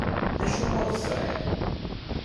D acu ur tesɛiḍ?